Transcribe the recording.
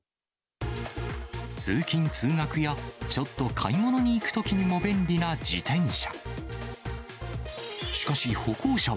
通勤・通学やちょっと買い物に行くときにも便利な自転車。